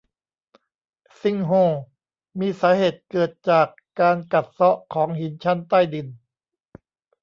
ซิงโฮล มีสาเหตุเกิดจากการกัดเซาะของหินชั้นใต้ดิน